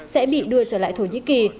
sẽ bị đưa trở lại thổ nhĩ kỳ